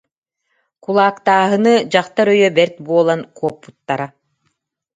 Кулаактааһыны, дьахтар өйө бэрт буолан, куоппуттара